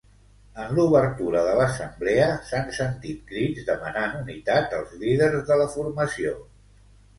En l'obertura de l'assemblea s'han sentit crits demanant unitat als líders de la formació.